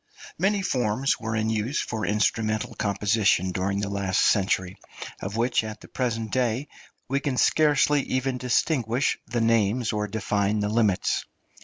Many forms were in use for instrumental composition during the last century, of which, at the present day, we can scarcely even distinguish the names or define the limits.